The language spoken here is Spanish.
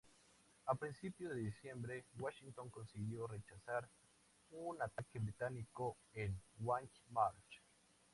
A principios de diciembre, Washington consiguió rechazar un ataque británico en White Marsh.